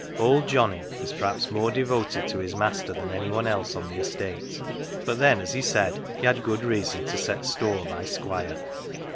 Old Johnny was perhaps more de voted to his master than any one else on the estate, but then, as he said, he had good reason to set store by Squire.